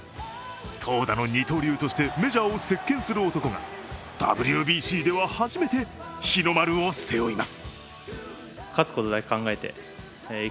投打の二刀流としてメジャーを席けんする男がＷＢＣでは初めて日の丸を背負います